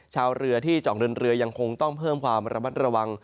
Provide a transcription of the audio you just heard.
ชาวเรือที่เจาะเดินเรือยังคงต้องเพิ่มความระมัดระวัง